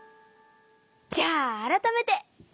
じゃあ改めて！